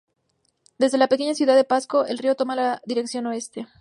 Desde la pequeña ciudad de Pasco, el río toma la dirección oeste.